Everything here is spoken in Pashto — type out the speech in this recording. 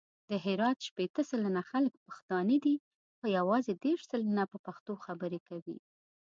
د هرات شپېته سلنه خلګ پښتانه دي، خو یوازې دېرش سلنه په پښتو خبري کوي.